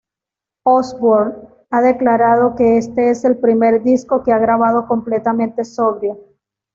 Osbourne ha declarado que este es el primer disco que ha grabado completamente sobrio.